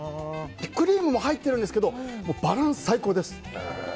クリームも入ってるんですけどバランス最高です。